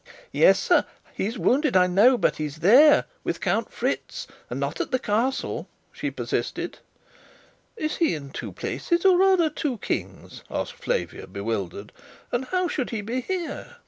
"Yes, sir, he's wounded, I know; but he's there with Count Fritz and not at the Castle," she persisted. "Is he in two places, or are there two Kings?" asked Flavia, bewildered. "And how should he be there?"